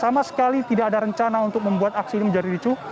sama sekali tidak ada rencana untuk membuat aksi ini menjadi ricu